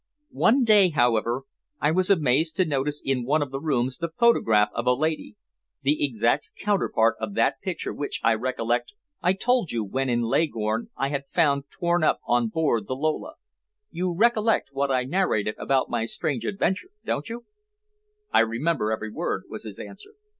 One day, however, I was amazed to notice in one of the rooms the photograph of a lady, the exact counterpart of that picture which, I recollect, I told you when in Leghorn I had found torn up on board the Lola. You recollect what I narrated about my strange adventure, don't you?" "I remember every word," was his answer.